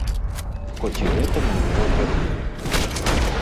Хоць і гэта мы ўжо зрабілі.